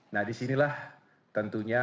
nah disinilah tentunya